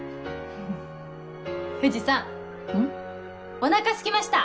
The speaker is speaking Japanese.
お腹すきました！